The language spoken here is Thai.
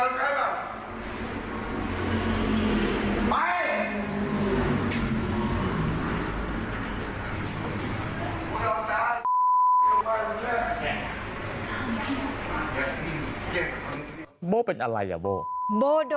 ไม่รู้อะไรกับใคร